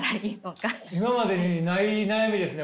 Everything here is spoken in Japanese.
今までにない悩みですね